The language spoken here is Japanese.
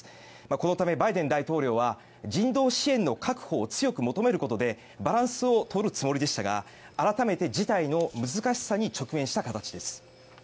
このためバイデン大統領は人道支援の確保を強く求めることでバランスをとるつもりでしたが改めて事態の難しさに直面した形です。